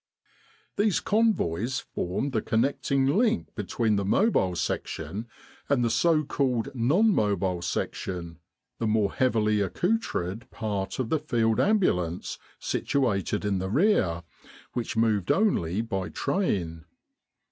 These Convoys formed the connecting link be tween the Mobile Section and the so called Non Mobile Section the more heavily accoutred part of the Field Ambulance situated in the rear which moved only by train.